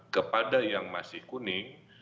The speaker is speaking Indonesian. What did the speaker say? kepada yang masih kuning